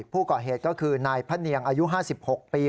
ผู้ก่อเหตุก็คือนายพะเนียงอายุ๕๖ปี